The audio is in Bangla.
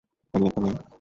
আমি একা নই।